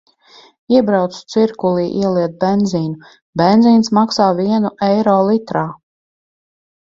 Iebraucu Cirkulī ieliet benzīnu, benzīns maksā vienu eiro litrā.